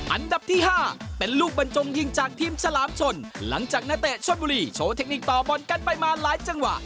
อันดับที่๕เป็นลูกบรรจงยิงจากทีมฉลามชนหลังจากนักเตะชนบุรีโชว์เทคนิคต่อบอลกันไปมาหลายจังหวะ